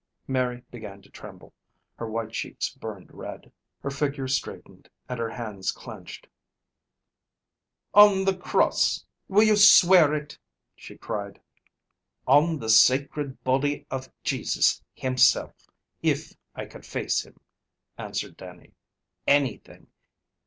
Mary began to tremble. Her white cheeks burned red. Her figure straightened, and her hands clenched. "On the cross! Will you swear it?" she cried. "On the sacred body of Jesus Himself, if I could face Him," answered Dannie. "Anything!